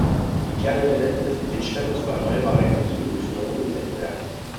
Die Kernelemente des Besitzstandes über erneuerbare Energie müssen noch umgesetzt werden.